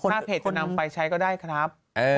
ถ้าเพจจะนำไปใช้ก็ได้ครับ